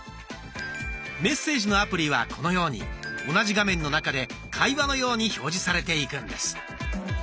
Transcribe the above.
メッセージのアプリはこのように同じ画面の中で会話のように表示されていくんです。